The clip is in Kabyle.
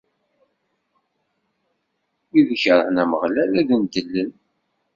Wid ikerhen Ameɣlal ad ndellen.